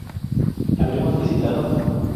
¿Habremos visitado?